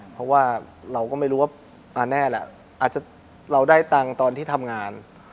เพราะว่าเราก็ไม่รู้ว่าแน่แหละอาจจะเราได้ตังค์ตอนที่ทำงาน